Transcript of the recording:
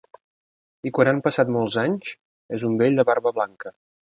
I quan han passat molts anys, és un vell de barba blanca.